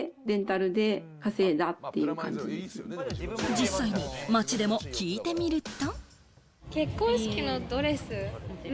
実際に街でも聞いてみると。